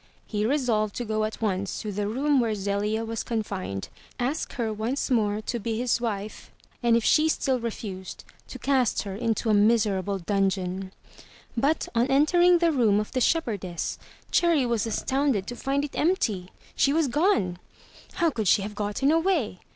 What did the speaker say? He resolved to go at once to the room where Zelia was confined, ask her once more to be his wife, and if she still refused, to cast her into a miserable dungeon. But on entering the room of the shepherdess. Cherry was astounded to find it empty! She was gone! How could she have gotten away?